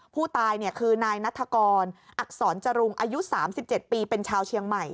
ผู้ตายเนี่ยคือนายนัทกรอักษรจรุงอายุสามสิบเจ็ดปีเป็นชาวเชียงใหม่